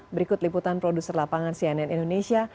berikut liputan produser lapangan cnn indonesia